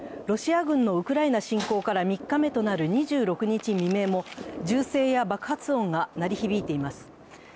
ロシア軍のウクライナ侵攻から３日目となる２６日未明も銃声や爆発音が鳴り響いています。